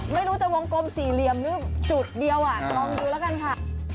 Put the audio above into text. ไม่รู้จะวงกลมสี่เหลี่ยมหรือจุดเดียวอ่ะลองดูแล้วกันค่ะ